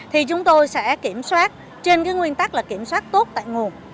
thì chúng tôi sẽ kiểm soát trên nguyên tắc kiểm soát tốt tại nguồn